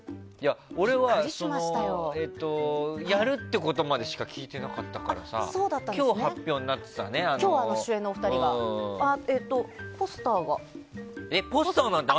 俺はやるってことまでしか聞いてなかったから今日、発表になってたのね。